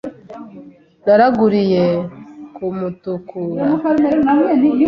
Naraguriye ku Mutukura